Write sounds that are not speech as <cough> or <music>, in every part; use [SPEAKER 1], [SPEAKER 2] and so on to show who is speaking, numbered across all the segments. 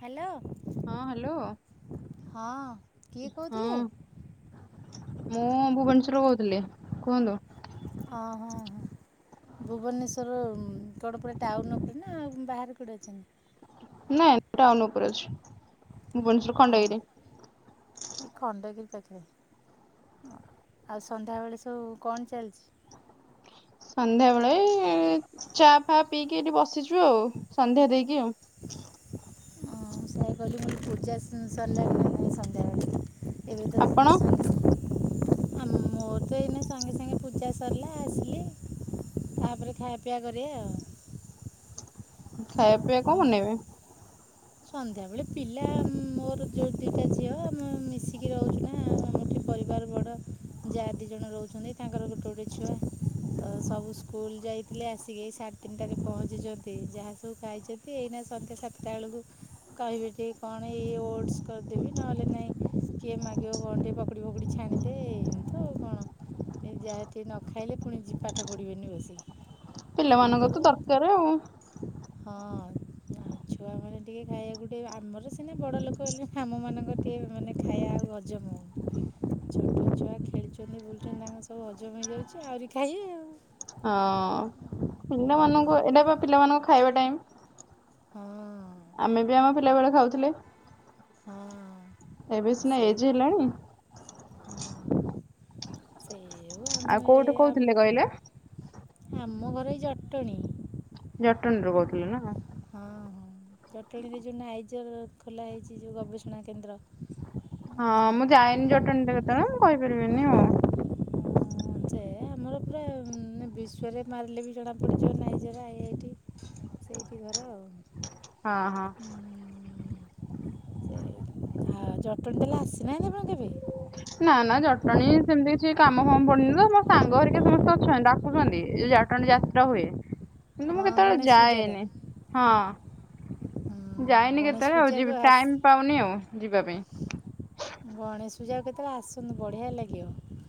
[SPEAKER 1] Hello!
[SPEAKER 2] ହଁ hello
[SPEAKER 1] ହଁ, କିଏ
[SPEAKER 2] ହଁ
[SPEAKER 1] କହୁଥିଲେ?
[SPEAKER 2] ମୁଁ ଭୁବନେଶ୍ୱରରୁୁ କହୁଥିଲି, କୁହନ୍ତୁ।
[SPEAKER 1] ଓଃ, ହଁ। ଭୁବନେଶ୍ଵର କ'ଣ ପୁରା ଟାଉନ ଉପରେ ନା ବାହାରେ କୋଠି ଅଛନ୍ତି।
[SPEAKER 2] ନାଇ, ଟାଉନ ଉପରେ ଅଛି। ଭୁବନେଶ୍ୱର ଖଣ୍ଡଗିରି
[SPEAKER 1] ଆଃ ଏଇ ଖଣ୍ଡଗିରୀ ପା ଓଃ ହଁ, ଆଉ ସଂଧ୍ୟା ବେଳେ ସବୁ କ'ଣ ଚାଲିଛି?
[SPEAKER 2] ସନ୍ଧ୍ୟା ବେଳେ ଚା ଫା ପିଇକି ଏଠି ବସିଛୁ ଆଉ, ସନ୍ଧ୍ୟା ଦେଇକି ଆଉ।
[SPEAKER 1] ହଁ, ସେଇଆ କହିଲି ମୁଁ ପୂଜା ସରିଲାଣି ନା ନାଇଁ ସନ୍ଧ୍ୟାବେଳେ। ଏବେ
[SPEAKER 2] ଆପଣ
[SPEAKER 1] ତ <inaudible> ଆମ ମୋର ତ ଏଇନା ସାଙ୍ଗେ ସାଙ୍ଗେ ପୂଜା ସରିଲା ଆସିଲି। ତାପରେ ଖାଇବା ପିଇଆ କରିବା ଆଉ।
[SPEAKER 2] ଖାଇବା ପିଇବା କଣ ବନେଇବେ?
[SPEAKER 1] ସନ୍ଧ୍ୟାବେଳେ ପିଲା ମୋର ଯୋଉ ଦିଟା ଝିଅ ଆମେ ମିଶିକି ରହୁଛୁ ନା ପରିବାର ବଡ଼ ଜା' ଦିଇ ଜଣ ରହୁଛନ୍ତି, ତାଙ୍କର ଗୋଟେ ଗୋଟେ ଛୁଆ। ତ ସବୁ ସ୍କୁଲ ଯାଇଥିଲେ ଆସିକି ଏ ସାଢେ ତିନିଟାରେ ପହଞ୍ଚିଛନ୍ତି, ଯାହା ସବୁ ଖାଇଛନ୍ତି ଏଇନା ସନ୍ଧ୍ୟା ସାତଟା ବେଳକୁ କହିବେ ଯଦି କ'ଣ ଏଇ ଓଟସ୍ କରିଦେବି ନହେଲେ ନାଇଁ କିଏ ମାଗିବ ଗଣ୍ଠେ ପକୁଡି ଫକୁଡି ଛାଣିଦିଏ, ଏମତି ତ ଆଉ କଣ। ଯାହାି ନ ଖାଇଲେ ପୁଣି ଜିପାଠ ପଡ଼ିବେନି ବସି।
[SPEAKER 2] ପିଲାମାନଙ୍କ ତ ଦରକାର ଆଉ।
[SPEAKER 1] ହଁ। ଛୁଆ ମାନେିକେ ତି ଖାଇବାକୁ ଗଟେ ଆମର ସିନା ବଡ ଲୋକ ହେଲେ ଆମ ମାନଙ୍କର ଟିକେ ମାନେ ଖାଇବା ଆ ହଜ ଛୋଟ ଛୁଆ ଖେଳିଛନ୍ତି ବୁଲୁଛନ୍ତି ତାଙ୍କ ସବୁ ହଜମ ହେଇଯାଉଛି ଆହୁରି ଖାଇ ଆଉ।
[SPEAKER 2] ହଁ ପିଲାମାନଙ୍କୁ ଏଟା ବା ପିଲାମାନଙ୍କୁ ଖାଇବା ଟାଇ। ଆମେ ବି ଆମ
[SPEAKER 1] ହଁ ଆ-
[SPEAKER 2] ପିଲା ବେଳେ ଖାଉଥିଲେ।
[SPEAKER 1] ହଁ
[SPEAKER 2] ଏବେ
[SPEAKER 1] ଆ
[SPEAKER 2] ସିନା ଏଜ ହେଲାଣି।
[SPEAKER 1] ସେଇ। ସେଇଆକୁ
[SPEAKER 2] ଆଉ
[SPEAKER 1] ଆମେ
[SPEAKER 2] କୋଉଠୁ
[SPEAKER 1] ଆମ
[SPEAKER 2] କହୁଥିଲେ କହିଲେ??
[SPEAKER 1] ଆମ ଘର ଏଇ ଜଟଣୀ।
[SPEAKER 2] ଜଟଣୀରୁୁ କହୁଥିଲେ ନା।
[SPEAKER 1] ହଁ ହଁ। ଜଟଣୀରେ ଯୋଉ ନାଇଜର ଖୋଲା ହେଇଛି ଯୋଉ ଗବେଷଣା କେନ୍ଦ୍ର।
[SPEAKER 2] ହଁ ମୁଁ ଯାଇନି ଜଟଣୀଟା କେତେବେଳେ ମୁଁ କହିପାରିବିନି ଆଉ।
[SPEAKER 1] ସେ ଆମର ପୁରା ବି ଛୁଆରେ ମାରିଲେ ବି ଜଣାପଡ଼ିୁଯିବ ନାାଇଁ ଜରା ଆ ଇଟି ସେଇଠି ଘର ଆଉ।
[SPEAKER 2] ହଁ ହଁ।
[SPEAKER 1] ସେ ଆଉ ଜଟଣୀ ଦେଲେ ଆସିନାହିଁ ଆପଣ କେବେ?
[SPEAKER 2] ନା ନା ଜଟଣୀ ସେମିତି କିଛି କାମ ଫାମ ପଡନି ତ ମୋ ସାଙ୍ଗ ଧରିକି ସମସ୍ତେ ଅଛନ୍ତି ଡାକୁଛନ୍ତି। ଯୋଉ ଜଟଣ ଯାତ୍ରା ହୁଏ କିନ୍ତୁ ମୁଁ
[SPEAKER 1] ହଁ
[SPEAKER 2] କେତେବେଳେ
[SPEAKER 1] ଗଣେଶ ପୂଜାଟା
[SPEAKER 2] ଯାଏନି ହଁ।
[SPEAKER 1] ହଁ
[SPEAKER 2] ଯାଇନି
[SPEAKER 1] ଗଣେଶ
[SPEAKER 2] କେତେବେଳେ ଆଉ
[SPEAKER 1] ପୂଜାକୁ
[SPEAKER 2] ଯ
[SPEAKER 1] ଆସ
[SPEAKER 2] ଟାଇମ ପାଉନି ଆଉ ଯିବା ପାଇଁ।
[SPEAKER 1] ଗଣେଶ ପୂଜା କେତେବେଳେ ଆସନ୍ତୁ ବଢିଆ ଲାଗିବ।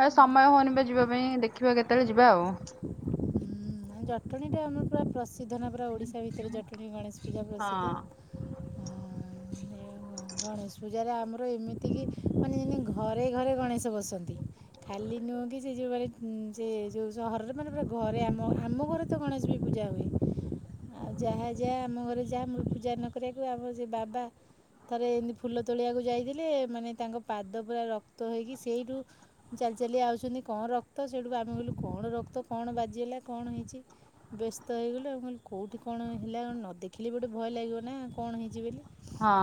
[SPEAKER 2] ଆ ସମୟ ହଉନି ବା ଯିବା ପାଇଁ ଦେଖିବା କେତେବେଳେ ଯିବା ଆଉ।
[SPEAKER 1] ନାଁ ଜଟଣୀ ଟା ଆମର ପ୍ରସି ସୁଧନାପରାା ଓଡ଼ିଶା ଭିତରେ ଜଟଣୀ ଗଣେଶ ପୂଜା ପ୍ରସିଦ୍ଧ।
[SPEAKER 2] ହଁ
[SPEAKER 1] ଗଣେଶ ପୂଜାରେ ଆମ ଆ ଏମିତିକି ମାନେ ଯେ ଘରେ ଘରେ ଗଣେଶ ବସନ୍ତି ଖାଲି ନୁହେଁ କି ସେ ଯେଉଁ ମାନେ ଯେ ଯୋଉ ସହରରେ ମାନେ ପୁରା ଘରେ ଆମ ଆମ ଘରେ ତ ଗଣେଶ ବି ପୂଜା ହୁଏ। ଆଉ ଯାହା ଯାହା ଆମ ଘରେ ଯାହା ପୂଜା ନ କରିବାକୁ ଆମର ସେ ବାବା। ଥରେ ଏମିତି ଫୁଲ ତୋଳିବାକୁ ଯାଇଥିଲେ ମାନେ ତାଙ୍କ ପାଦ ପୁରା ରକ୍ତ ହେଇକି ସେଇଠୁ ଚାଲି ଆ ଚାାଲି ଆଉଛନ୍ତି କଣ ରକ୍ତ ସେଠୁ ଆମେ କହିଲୁ କଣ ରକ୍ତ କଣ ବାଜିଗଲା। କଣ ହେଇଛି ବ୍ୟସ୍ତ ହେଇଗଲେ ଆଉ କହିଲେ କଉଠି କଣ ହେଲା କଣ ନ ଦେଖିଲି ଗୋଟେ ଭୟ ଲାଗିବ ନା କଣ କଣ ହେଇଛି ବୋଲି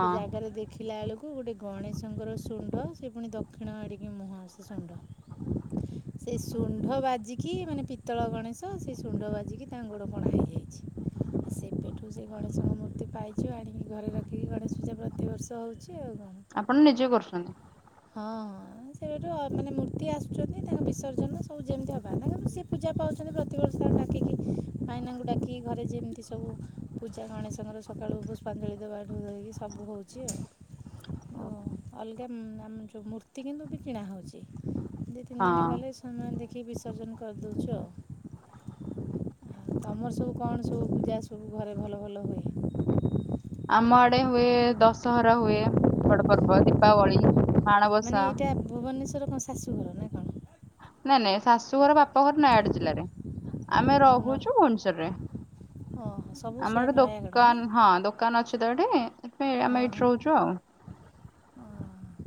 [SPEAKER 1] ସେ ଜାଗାରେ ଦେଖିଲା ବେଳକୁ କ ଗୋଟେ ଗଣେଶଙ୍କର ଶଣ୍ଣ୍ଡ ସେ ପୁଣି ଦକ୍ଷିଣ ଆଡ଼ିକି ମୁହଁ ସେ ଶଣ୍ଢ। ସେ ଶଣ୍ଢ ବାଜିକି ମାନେ ପିତ୍ତଳ ଗଣେଶ ତ ସେ ସୁଣ୍ଡ ବାଜିକି ତା ଗୋଡ଼ ପଣା ହେଇଯାଇଛି ଆଉ ସେ ପଠୁ ସେ ଗଣେଶଙ୍କ ମୂର୍ତ୍ତି ପାଇଛ ଆଣିକି ଘରେ ରଖିକି ଗଣେଶ ପୂଜା ପ୍ରତିିବର୍ଷ ହଉଛି ଆଉ କଣ।
[SPEAKER 2] ଆପଣ ନିଜେ କରୁ
[SPEAKER 1] ହଁ ହଁ। ହଁ ସେଠୁ ମାନେ ମୂର୍ତ୍ତି ଆସୁଛନ୍ତି ତାଙ୍କ ବିସର୍ଜନ ସବୁ ଯେମିତି ହବା ତାଙ୍କ ସିଏ ପୂଜା ପାଉଛନ୍ତି। ଛନ୍ତି ପ୍ରତିବର୍ଷ ଡାକିକି ମାଇନାଙ୍କୁ ଡାକିକି ଘରେ ଯେମିତି ସବୁ ପୂଜା ଗଣେଶଙ୍କର ସକାଳୁ ପୁଷ୍ପାଞ୍ଜଳି ଦେବାଠୁ ଧକି ସବୁ ହେଉଛି ଆଉ।
[SPEAKER 2] ହଁ।
[SPEAKER 1] ଅଲଗା ଆମ ଯେଉଁ ମୂର୍ତ୍ତି କିନ୍ତୁ ବି କିଣା ହେଉଛି। ଦୁଇ ତିନି ଦିନ ଗଲେ ସେମାନେ ଦେଖିକି ବିସର୍ଜନ କରିଦଉଛୁ ଆଉ। ତମର ସବୁ କଣ ସବୁ ପୂଜା ସବୁ ଘରେ ଭଲ ଭଲ ହୁଏ।
[SPEAKER 2] ଆମ ଆଡେ ହୁଏ ଦଶହରା ହୁଏ ବଡ ପର୍ବ ଦୀପାବଳି। ମାଣବସା
[SPEAKER 1] ମାନେ ଏଇଟା ଭୁବନେଶ୍ୱରର କଣ ଶାଶୁ ଘର ନାାଇ କଣ?
[SPEAKER 2] ନ ନାଇଁ ଶାଶୁଘର ବାପା ଘର ନାଗଡ ଜିଲ୍ଲାରେ ଆମେ ରହୁଛୁ ଭୁବନେଶ୍ଵରରେ।
[SPEAKER 1] ହଁ।
[SPEAKER 2] ଆମର ଏଠି ଦୋକାନ ହଁ ଦୋକାନ ଅଛି ତ ଏଠି ସେଥିପାଇଁ ଆମେ
[SPEAKER 1] ହଁ
[SPEAKER 2] ଏଇଠି ରହୁଛୁ ଆଉ।
[SPEAKER 1] ହଁ।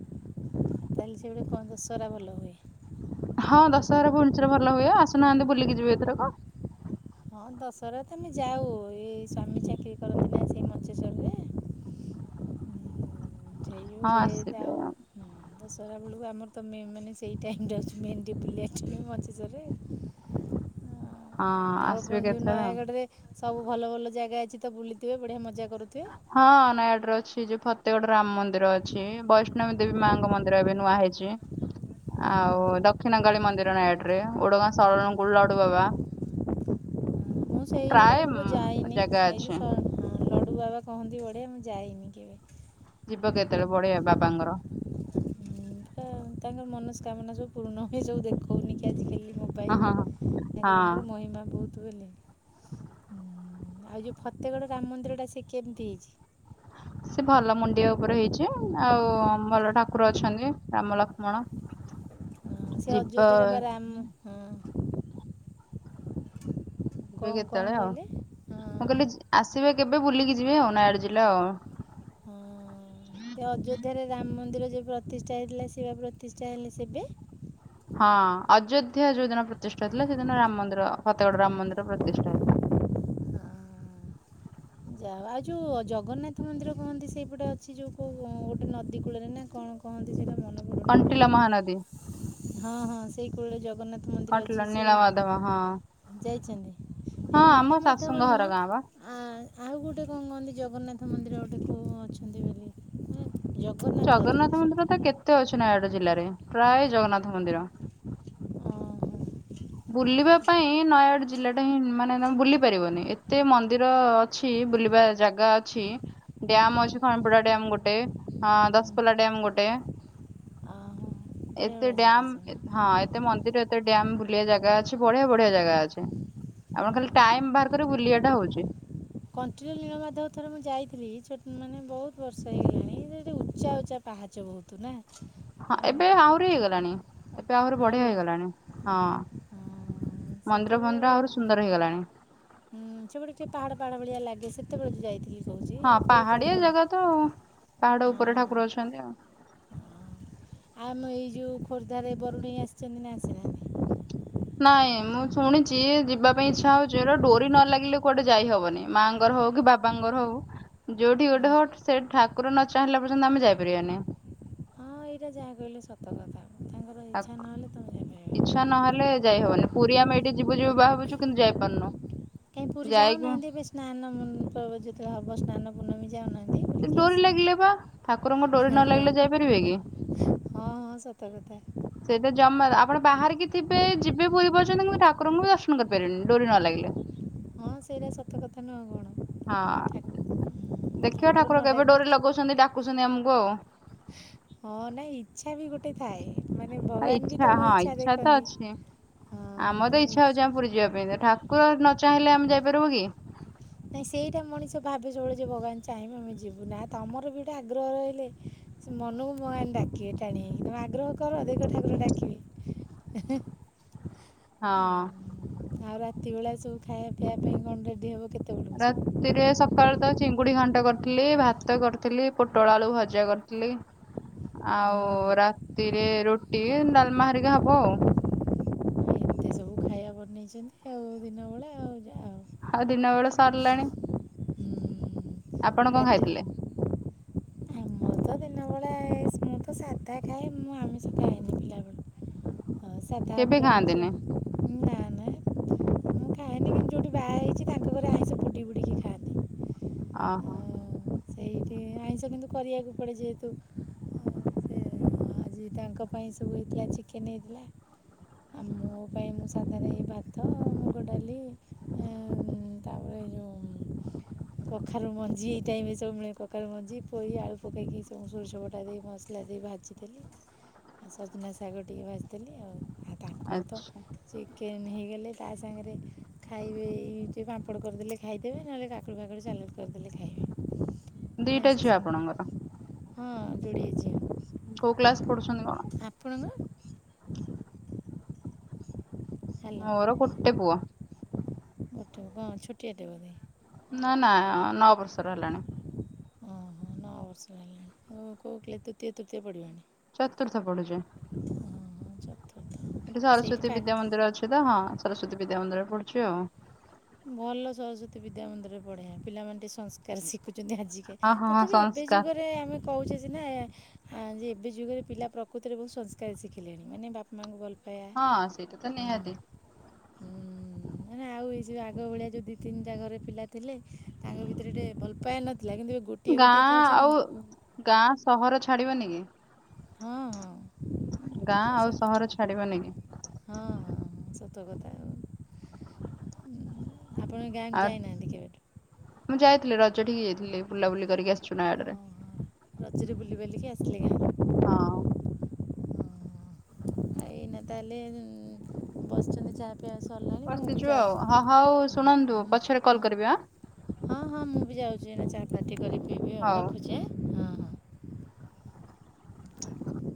[SPEAKER 1] ତାହେଲେ ସେପଟେ କଣ ଦସହରା ଭଲ ହୁଏ।
[SPEAKER 2] ହଁ ଦଶହରା ଭୁବେନେସର ରେ ଭଲ ହୁଏ ଆସୁନାହାନ୍ତି ବୁଲିକି ଯିବେ ଏଥରକ।
[SPEAKER 1] ହଁ ଦଶହରା ତ ତମେ ଯାଉ ଏ ସ୍ଵାମୀ ଚାକିରି କରନ୍ତି ନା ସେଇ ମଞ୍ଚେଶ୍ଵରରେ। ସେଇ ଯୋଗୁ
[SPEAKER 2] ହଁ
[SPEAKER 1] ସେ
[SPEAKER 2] ଆସିବେ
[SPEAKER 1] ଜାଉ
[SPEAKER 2] ଆଉ।
[SPEAKER 1] ହୁଁ ଦଶରା। ବେଳକୁ ଆମର ତ ମେ ମାନେ ସେଇ ଟାଇମ୍ ରେ ଅଛୁ ମେନ ବୁଲିବା ଟାଇମ୍ ମଞ୍ଚେସରେ। ହଁ।
[SPEAKER 2] ହଁ
[SPEAKER 1] ଆଉ ଆପଣ
[SPEAKER 2] ଆସିବେ
[SPEAKER 1] ଯୋଉ
[SPEAKER 2] କେତେବେଳେ ଆଉ।
[SPEAKER 1] ନୟାଗଡ ରେ ସବୁ ଭଲ ଭଲ ଜାଗା ଅଛି ତ ବୁଲିଥିବେ ବଢିଆ ମଜା କରୁଥିବେ।
[SPEAKER 2] ହଁ ନୟାଡରେ ଅଛି ଯୋଉ ଫତେଗଡ ରାମ ମନ୍ଦିର ଅଛି ବୈଷ୍ଣବୀ ଦେବୀ ମାଙ୍କ ମନ୍ଦିର ଏବେ ନୂଆ ହେଇ ଛି। ଆଉ
[SPEAKER 1] ହଁ
[SPEAKER 2] ଦକ୍ଷିଣ କାଳି ମନ୍ଦିର ନୟାଗଡ ରେ ଓଡଗାଁ ସଉଳନ କୂଳ ଲଡୁ ବାବା।
[SPEAKER 1] ମୁଁ
[SPEAKER 2] ପ୍ରାୟ
[SPEAKER 1] ସେଇଗୁଡ଼ାକ ବା
[SPEAKER 2] ଉଁ,
[SPEAKER 1] ଯାଇନି
[SPEAKER 2] ଜାଗା
[SPEAKER 1] ଏଇ
[SPEAKER 2] ଅଛି
[SPEAKER 1] ଯୋଉ ସ ଲଡୁ ବାବା କହନ୍ତି ବଢିଆ ମୁଁ ଯାଇନି କେବେ।
[SPEAKER 2] ଯିବ କେତେବେଳେ ବଢିଆ ବାବାଙ୍କର।
[SPEAKER 1] କାମନା ସବୁ ପୂର୍ଣ୍ଣ ହୁଏ ଯୋଉ ଦେଖଉନି କି ଆଜିକାଲି।
[SPEAKER 2] ହଁ
[SPEAKER 1] ମୋବାଇଲ
[SPEAKER 2] ହଁ
[SPEAKER 1] ରେ
[SPEAKER 2] ହଁ।
[SPEAKER 1] ଠାକୁରଙ୍କ
[SPEAKER 2] ହଁ
[SPEAKER 1] ର ମହିମା ବହୁତ ବେଲି। ହୁଁ ଆଉ ଯୋଉ ଫତେଗଡ ରାମ ମନ୍ଦିର ଟା ସେ କେମିତି ହେଇଛି।
[SPEAKER 2] ସେ ଭଲ ମୁଣ୍ଡିଆ ଉପରେ ହେଇଛି ଆଉ ଭଲ ଠାକୁର ଅଛନ୍ତି ରାମ ଲକ୍ଷ୍ମଣ।
[SPEAKER 1] <unintelligible> ହଁ ସେ
[SPEAKER 2] ଯିବା
[SPEAKER 1] ଅଯୋଧ୍ୟାରେ ବା ରାମ ହଁ।
[SPEAKER 2] ଯିବେ
[SPEAKER 1] କ'ଣ କ'ଣ
[SPEAKER 2] କେତେବେଳେ ଆଉ
[SPEAKER 1] କହିଲେ
[SPEAKER 2] ମୁଁ କହିଲି ଜି ଆସିବେ କେବେ ବୁଲିକି ଜି ଯିବେ ଆଉ ନାୟାଗଡ ଜିଲା ଆଉ।
[SPEAKER 1] ଯେବେ ପ୍ରତିଷ୍ଠା ହେଇଥିଲା ସେବା ପ୍ରତିଷ୍ଠା ହେଲେ ସେବେ।
[SPEAKER 2] ହଁ ଅଯୋଧ୍ୟା ଯୋଉ ଦିନ ପ୍ରତିଷ୍ଠା ହେଇ ଥିଲା ସେଦିନ ରାମ ମନ୍ଦିର ଫତେଗଡ ରାମ ମନ୍ଦିର ପ୍ରତିଷ୍ଠା ହେଇଥିଲା।
[SPEAKER 1] ହଁ। ବାବା ଆ ଯୋଉ ଜଗନ୍ନାଥ ମନ୍ଦିର କହନ୍ତି ସେଇପଟେ ଅଛି ଯୋଉ କୋଉ ଗୋଟେ ନଦୀ କୂଳରେ ନା କଣ କହନ୍ତି ସେଟା।
[SPEAKER 2] କଣ୍ଟିିଲ ମହାନଦୀ।
[SPEAKER 1] ହଁ ହଁ ସେଇ କୂଳରେ ଜଗନ୍ନାଥ ମନ୍ଦିର
[SPEAKER 2] କଣ୍ଟିଲ
[SPEAKER 1] ଅଛି ସେ
[SPEAKER 2] ନୀଳମାଧବ ହଁ।
[SPEAKER 1] ଯାଇ।
[SPEAKER 2] ହଁ ଆମ ଶାଶୁଙ୍କ ଘର ଗାଁ ବା।
[SPEAKER 1] ଆ- ଆଉ ଗୋଟେ କଣ କହନ୍ତି ଜଗନ୍ନାଥ ମନ୍ଦିର ଗୋଟେ କୋଉ ଅଛନ୍ତି ବେଲି।
[SPEAKER 2] ଜଗନ୍ନାଥ ମନ୍ଦିର ତ କେତେ ଅଛି ନୟାଗଡ। ଜିଲ୍ଲାରେ ପ୍ରାୟ ଜଗନ୍ନାଥ ମନ୍ଦିର।
[SPEAKER 1] ଓହୋ ହୁଁ,
[SPEAKER 2] ବୁଲିବା ପାଇଁ ନୟାଗଡ ଜିଲ୍ଲା ଟା ହିଁ ମାନେ ତମେ ବୁଲି ପାରିବନି ଏତେ ମନ୍ଦିର ଅଛି। ବୁଲିବା ଜାଗା ଅଛି ଡ୍ୟାମ ଅଛି ଖଣିପୁଡା ଡ୍ୟାମ ଗୋଟେ ଅ ଦଶପଲା ଡ୍ୟାମ ଗୋ ଗୋଟେ।
[SPEAKER 1] ଅ ହ।
[SPEAKER 2] ଏତେ ଡ୍ୟାମ ହଁ ଏତେ ମନ୍ଦିର ଏତେ ଡ୍ୟାମ। ବୁଲିବା ଜାଗା ଅଛି ବଢିଆ ବଢିଆ ଜାଗା ଅଛି ଆପଣ ଖାଲି
[SPEAKER 1] ଓହୋ
[SPEAKER 2] ଟାଇମ୍ ବାହାର କରି ବୁଲିବା ଟା ହଉଛି।
[SPEAKER 1] କଣ୍ଟିଲୋ ନିଳମାଧବ ଥରେ ମୁଁ ଯାଇଥିଲି ଛୋ ମାନେ ବହୁତ ବର୍ଷ ହେଇ ଗଲାଣି ସେଠୀ ଉଚ୍ଚା ଉଚା ପାହ ପାହାଚ ବହୁତ ନା।
[SPEAKER 2] ହଁ ଏବେ ଆହୁରି ହେଇଗଲାଣି ଏବେ ଆହୁରି ବଢିଆ ହେଇଗଲାଣି ହଁ। ମନ୍ଦିର
[SPEAKER 1] ସେତେବେଳେ
[SPEAKER 2] ଫନ୍ଦିର ଆହୁରି ସୁନ୍ଦର ହେଇଗଲାଣି
[SPEAKER 1] ହୁଁ ସେପଟେ ଟିକେ ପାହାଡ ପାହାଡ ଭଳିଆ ଲାଗେ। ସେତେବେଳେ ଯୋଉ ଯାଇଥିଲି। କହୁଛି
[SPEAKER 2] ହଁ
[SPEAKER 1] ଏବେ କେଉଁ
[SPEAKER 2] ପାହାଡିଆ
[SPEAKER 1] ଭଲ
[SPEAKER 2] ଜାଗା ତ ପାହାଡ ଉପରେ ଠାକୁର ଅଛନ୍ତି ଆଉ।
[SPEAKER 1] ଆ ଆମ ଏଇ ଯୋଉ ଖୋର୍ଦ୍ଧାରେ ବରୁଣେଇ ଆସିଛନ୍ତି ନା ଆସି ନାହାନ୍ତି।
[SPEAKER 2] ନାଇଁ ମୁଁ ଶୁଣିଛି ଯିବା ପାଇଁ ଇଚ୍ଛା ହଉଛି ଡୋରି ନ ଲାଗିଲେ କୁଆଡେ ଯାଇ ହବନି ମାଆଙ୍କ ର ହଉ କି। ବାବାଙ୍କର ହଉ ଯୋଉଠି
[SPEAKER 1] ହଁ
[SPEAKER 2] ଗୋଟେ ହଉ ସେ ଠାକୁର ନ ଚାହିଁଲା ପର୍ଯ୍ୟନ୍ତ ଆମେ ଯାଇପାରିବାନି।
[SPEAKER 1] ହଁ ଏଇଟା ଯାହା କହିଲେ ସତ କଥା। ତାଙ୍କର ଇଚ୍ଛା ନହେଲେ ତୁମେ ଯାଇପାରିବନି
[SPEAKER 2] ଇଛା ନହେଲେ ଯାଇ ହବନି ପୁରୀ ଆମେ ଏଇଠି ଯିବୁ ଯିବୁ ବାହାବୁଛୁ କିନ୍ତୁ ଯାଇ ପର୍ନୁ।
[SPEAKER 1] କାଇହିଁ ପୁରୀ ଯାଉନାହାନ୍ତି ଏବେ ସ୍ନାନ ଯେତେବେଳେ ହବ ସ୍ନାନ ପୂର୍ଣ୍ଣମୀ ଯାଉନାହାନ୍ତି
[SPEAKER 2] ସେ
[SPEAKER 1] ବୁଲିକି
[SPEAKER 2] ଡୋରି
[SPEAKER 1] ଆସିବେ
[SPEAKER 2] ଲାଗିଲେ ବା ଠାକୁରଙ୍କ ଡୋରି
[SPEAKER 1] ହଁ
[SPEAKER 2] ନ ଲାଗିଲେ ଯାଇପାରିବେ କି।
[SPEAKER 1] ହଁ ହଁ ସତ କଥା
[SPEAKER 2] ସେଟା ଜମା ଆପଣ ବାହାରିକି ଥିବେ ଯିବେ ପୁରୀ ପର୍ଯ୍ୟନ୍ତ କିନ୍ତୁ ଠାକୁରଙ୍କୁ ବି ଦର୍ଶନ କରିପାରିଲିନି ଡୋରି ନ ଲାଗିଲେ।
[SPEAKER 1] ହଁ ସେଇଟା ସତ କଥା ନୁହଁ କଣ ଠାକୁ
[SPEAKER 2] ହଁ ଦେଖ ଠାକୁର
[SPEAKER 1] ନ
[SPEAKER 2] କେବେ
[SPEAKER 1] ଡାକି
[SPEAKER 2] ଡୋରେ ଲଗାଉଛନ୍ତି ଡାକୁଛନ୍ତି ଆମକୁ ଆଉ।
[SPEAKER 1] ହଁ ନାଇଁ ଇଛା ବି ଗୋଟେ ଥାଏ। ମାନେ ଭଗବାନ ବି
[SPEAKER 2] ଇଚ୍ଛା
[SPEAKER 1] ତମ
[SPEAKER 2] ହଁ ଇଚ୍ଛା ତ
[SPEAKER 1] ଦେଖନ୍ତି
[SPEAKER 2] ଅଛି।
[SPEAKER 1] ହଁ
[SPEAKER 2] ଆମ
[SPEAKER 1] ତମ
[SPEAKER 2] ତ ଇଚ୍ଛା ହଉଛି ଆମ ପୁରୀ ଯିବା ପାଇଁ ତ ଠାକୁର ନ ଚାହିଁଲେ ଆମେ ଯାଇପାରିବ କି।
[SPEAKER 1] ନାଇଁ ସେଇଟା ମଣିଷ ଭାବି ଚଳୁଚି ଯେ ଭଗବାନ ଚାହିଁବେ ଆମେ ଯିବୁ ନା ତମର ବି ଏଇଟା ଆଗ୍ରହ ରହିଲେ। ସେ ମନକୁ ମାନ ଡାକିବେ ଟାଣି ତମେ ଆଗ୍ରହ କର ଅଧିକ ଠାକୁର ଡାକିବି <inaudible>
[SPEAKER 2] ହଁ।
[SPEAKER 1] ଆଉ ରାତି ବେଳେ ସବୁ ଖାଇବା ପିଇବା ପାଇଁ କଣ ରେଡି ହବ।
[SPEAKER 2] ରାତିରେ ସକାଳ ତ ଚିଙ୍ଗୁଡି ଖା କରିଥିଲି ଭାତ କରିଥିଲି ପୋଟଳ ଆଳୁ ଭଜା କରିଥିଲି। ଆଉ
[SPEAKER 1] ହଁ
[SPEAKER 2] ରାତିରେ ରୁଟି ଡାଲମାହାରିକ ହବ ଆଉ।
[SPEAKER 1] ନେଇଛନ୍ତି ଆଉ ଦିନ ବେଳେ ଆଉ ଯାହା
[SPEAKER 2] ଆଦିନ ଏଡ ସାରିଲାଣି।
[SPEAKER 1] ହଉ
[SPEAKER 2] ଆପଣ କଣ
[SPEAKER 1] ରାତି
[SPEAKER 2] ଖାଇଥିଲେ?
[SPEAKER 1] ଆଟତା ଖାଇ ମୁଁ ଆମିଷତେ ଆନି ପିଲା ବେଳୁ। ଓ ସାଧା
[SPEAKER 2] କେବେ
[SPEAKER 1] ଉପରେ ଏମିତି
[SPEAKER 2] ଖାଆନ୍ତିନି
[SPEAKER 1] ମୁଁ ଖାଏନି କିନ୍ତ ଯୋଉଠି ବାହା ହେଇଛି, ତାଙ୍କ ଘରେ ଆଇଁଷ ପୁଟି ବୁଡିକି ଖାଏନି
[SPEAKER 2] ଓ ହୋ।
[SPEAKER 1] ଆଇଁଷ କିନ୍ତୁ କରିବାକୁ ପଡେ ଯେହେତୁ ଆଜି ତାଙ୍କ ପାଇଁ ସବୁ ଏଇଠଆ ଚିକେନ ହେଇଥିଲା। ଆଉ ମୋ ପାଇଁ ମୁଁ ସାଧାରେ ଏଇ ଭାତ ମୁଗ ଡାଲି ତାପରେ ଉ କଖାରୁ ମଞ୍ଜି ଟାଇବୁ ମିଳେ ସକାଳ ମଞ୍ଜି ପୋଇ ଆଳୁ ପକାଇକି, ସୋରିଷବଟା ଦେଇ ମସଲା ଦେଇ ଭାଜିଦେଲି ଆଉ ସଜନା ସାଗର ଟିକେ ବସିଥିଲି ଆଉ। ଆଉ ତାଙ୍କର ତ
[SPEAKER 2] ଆଚ୍ଛା
[SPEAKER 1] ଚିକେନ୍ ହେଇଗଲେ ତା ସାଙ୍ଗରେ ଖାଇବେ ଟଏ ପାମ୍ପଡ଼ କରିଦେଲେ, ଖାଇଦେବେ ନହେଲେ କାକୁଡ଼ି ଫାକୁଡ଼ି ଚାଲଟ କରିଦେଲେ ଖାଇବେ ଆଇ
[SPEAKER 2] ଦିଟା
[SPEAKER 1] ସ
[SPEAKER 2] ଝିଅ ଆପଣଙ୍କର
[SPEAKER 1] ସାଙ୍ଗେ ହଁ ଯୋଡ଼ି ଅଛି।
[SPEAKER 2] କୋଉ କ୍ଲାସ ପଢୁଛନ୍ତି କଣ?
[SPEAKER 1] ହ୍ୟାଲୋ
[SPEAKER 2] ମୋର ଗୋଟେ ପୁଅ।
[SPEAKER 1] କଣ ଛୁଟିଆଟେ ବୋଧେ?
[SPEAKER 2] ନା ନା ନଅବର୍ଷର ହେଲାଣି।
[SPEAKER 1] ଓହୋ ନଅ ବର୍ଷ ହୋଗିଲାଣି କଉ କିଲେ ତୃତୀୟ ତୃତୀୟ ପଡ଼ିଲାଣି।
[SPEAKER 2] ଚତୁର୍ଥ ପଡୁଛି।
[SPEAKER 1] ଚ
[SPEAKER 2] ଏଠି ସରସ୍ଵତୀ ବିଦ୍ୟା ମନ୍ଦିର ଅଛି, ତ ହଁ ସରସ୍ଵତୀ ବିଦ୍ୟା ମନ୍ଦିରରେ ପଡୁଛି ଆଉ
[SPEAKER 1] ଭଲ ସରସ୍ଵତୀ ବିଦ୍ୟା ମନ୍ଦିରରେ ପଢେଇଆ, ପିଲାମାନେ ଟିକେ ସଂସ୍କାର ଶିଖୁଚ ଛନ୍ତି ଆଜିକେ
[SPEAKER 2] ହଁ ହଁ ହଁ
[SPEAKER 1] ତଥାପି ଏବେ
[SPEAKER 2] ସଂସ୍କାର
[SPEAKER 1] ଯୁଗରେ ଆମେ କହୁଛେ ଯେ ନା ଯେ ଏବେ ଯୁଗରେ ପିଲା ପ୍ରକୃତିରେ, ବହୁତ ସଂସ୍କାର ଶିଖିଲେଣି ମାନେ ବାପା ମାଆଙ୍କୁ ଭଲ ପାଇବା
[SPEAKER 2] ହଁ ସେଇଟା ତ
[SPEAKER 1] ହୁଁ,
[SPEAKER 2] ନିହାତି
[SPEAKER 1] ହୁଁ, ମାନେ ଆଉ ଏଇ ଯେଉୁ ଆଗ ଭଳିଆ, ଯଉ ଦୁଇ ତିନିଟା ଘରେ ପିଲା ଥିଲେ ତାଙ୍କ ଭିତରେ ଟିକେ ଭଲ ପାନଥିଲେ।
[SPEAKER 2] ଗାଁ ଆଉ ଗାଁ ସହର ଛାଡିବନି କି?
[SPEAKER 1] ହଁ ହଁ।
[SPEAKER 2] ଗାଁ
[SPEAKER 1] ସେ
[SPEAKER 2] ଆଉ
[SPEAKER 1] ସତ
[SPEAKER 2] ସହର ଛାଡ଼ିବନି କି?
[SPEAKER 1] ହଁ ହଁ ହଁ କଥା ଆଉ। ହୁଁ।
[SPEAKER 2] ଆ ମୁଁ ଯାଇଥିଲି ରଜ ଠିକି ଯାଇଥିଲି, ବୁଲାବୁଲି କରିକି ଆସିି
[SPEAKER 1] ଓହୋ ରତିରେ ବୁଲି ବଲିକି ଆସିଲି ଗା।
[SPEAKER 2] ହଁ।
[SPEAKER 1] ଆଉ ଏଇନା ତାହେଲେ ଉମ ବସିଛନ୍ତି ଚାର
[SPEAKER 2] ବସିଛୁ ଆଉ ହ ହଉ ଶୁଣନ୍ତୁ ପଛରେ କଲ କରିବି ଆ?
[SPEAKER 1] ହଁ ହଁ ମୁଁ ବି ଯାଉଛି, ଏ ଚାହାପାତି କରି ପିଇବି ଆଉ
[SPEAKER 2] ହଉ।
[SPEAKER 1] ରଖୁଛି, ଆଁ ହଁ ହଁ।